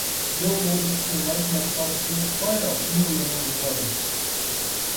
Ģeoloģiskie laikmeti parasti ilgst vairākus miljonus gadu.